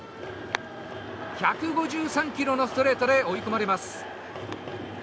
１５３キロのストレートで追い込まれます。